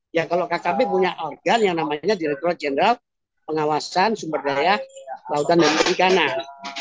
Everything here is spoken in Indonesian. ya kalau kkp punya organ yang namanya direktur jenderal pengawasan sumber daya lautan dan perikanan